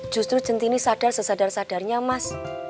justru jentini sadar sesadar sadarnya mas